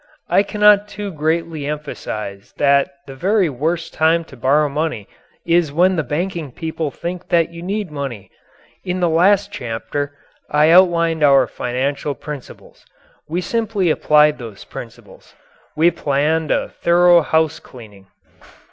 I cannot too greatly emphasize that the very worst time to borrow money is when the banking people think that you need money. In the last chapter I outlined our financial principles. We simply applied those principles. We planned a thorough house cleaning.